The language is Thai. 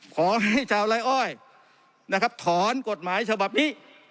ขอให้ชาวไล่อ้อยนะครับถอนกฎหมายฉบับนี้